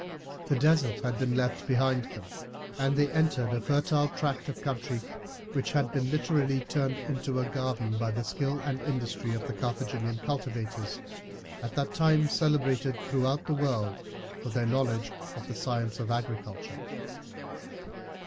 The desert had been left behind them, and they entered a fertile tract of country which had been literally turned into a garden by the skill and industry of the Carthaginian cultivators, at that time celebrated throughout the world for their knowledge of the science of agriculture.